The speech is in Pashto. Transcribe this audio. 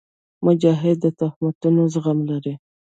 مجاهد د تهمتونو زغم لري.